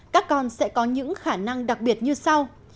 các con sẽ có những khả năng đặc biệt như sau